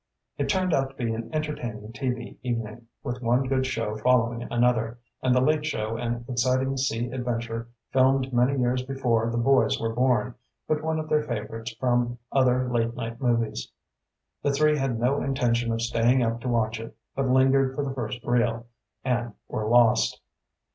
It turned out to be an entertaining TV evening, with one good show following another, and the late show an exciting sea adventure filmed many years before the boys were born, but one of their favorites from other late night movies. The three had no intention of staying up to watch it, but lingered for the first reel and were lost.